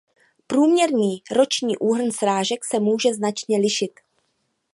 Průměrný roční úhrn srážek se může značně lišit.